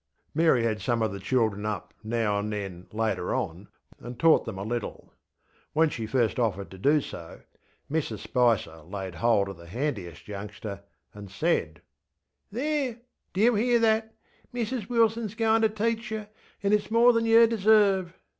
ŌĆÖ Mary had some of the children up now and then later on, and taught them a little. When she first offered to do so, Mrs Spicer laid hold of the handiest youngster and saidŌĆö ŌĆśThereŌĆödo you hear that? Mrs Wilson is goinŌĆÖ to teach yer, anŌĆÖ itŌĆÖs more than yer deserve!